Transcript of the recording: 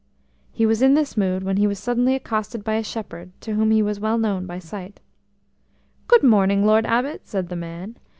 He was in this mood when he was suddenly accosted by a shepherd, to whom he was well known by sight. "Good morning, Lord Abbot," said the man.